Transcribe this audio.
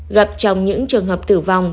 gặp trong những trường hợp tử vong